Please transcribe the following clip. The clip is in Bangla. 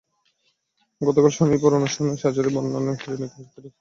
গতকাল শনিবার আনুশেহর শাশুড়ি বনানীর যাত্রা বিরতি রেস্তোরাঁয় কবিতা আবৃত্তি করেন।